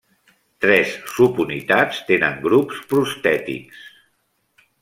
Tres subunitats tenen grups prostètics.